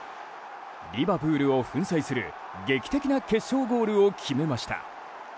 リバプールを粉砕する劇的な決勝ゴールを決めました。